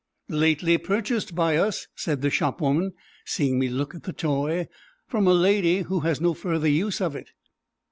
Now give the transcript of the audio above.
"Lately purchased by us," said the shopwoman, seeing me look at the toy, "from a lady who has no further use for it."